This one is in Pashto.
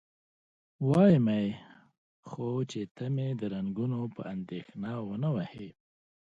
وایمه یې، خو چې ته مې د رنګونو په اندېښنه و نه وهې؟